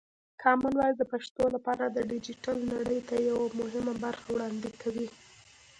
کامن وایس د پښتو لپاره د ډیجیټل نړۍ ته یوه مهمه برخه وړاندې کوي.